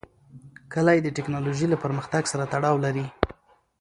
کلي د تکنالوژۍ له پرمختګ سره تړاو لري.